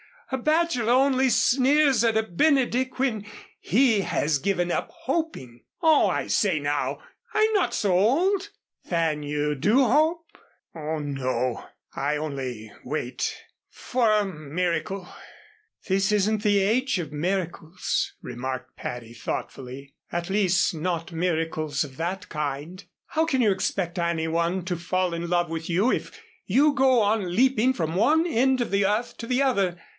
A bachelor only sneers at a Benedick when he has given up hoping " "Oh, I say now I'm not so old." "Then you do hope?" "Oh, no, I only wait for a miracle." "This isn't the age of miracles," remarked Patty thoughtfully, "at least not miracles of that kind. How can you expect anyone to fall in love with you if you go on leaping from one end of the earth to the other.